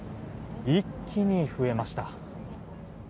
一気に増えました。